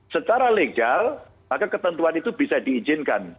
secara legal maka ketentuan itu bisa diizinkan